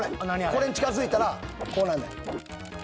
これに近づいたらこうなんねん。